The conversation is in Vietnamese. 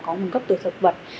có nguồn gốc từ thực vật